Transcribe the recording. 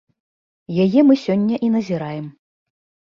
Яе мы сёння і назіраем.